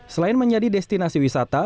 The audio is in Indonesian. selain menjadi destinasi wisata